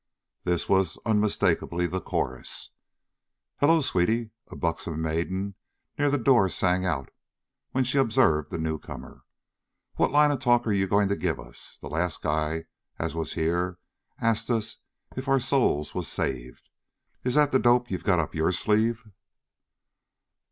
This was unmistakably the chorus. "Hello, sweetie," a buxom maiden near the door sang out when she observed the newcomer. "What line of talk are you goin' to give us? The last guy as was here asked us if our souls was saved. Is that the dope you've got up your sleeve?"